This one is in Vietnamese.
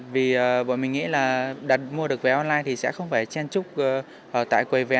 vì bọn mình nghĩ là đặt mua được vé online thì sẽ không phải chen trúc tại quầy vé